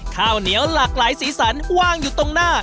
ข้าวเหนียวหลากหลายสีสันว่างอยู่ตรงหน้า